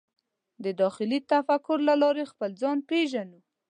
د داخلي تفکر له لارې خپل ځان پېژنو.